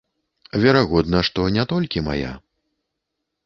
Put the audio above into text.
Верагодна, што не толькі мая.